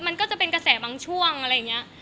มันก็จะเป็นเกษตรบางช่วงอะไรแบบนี้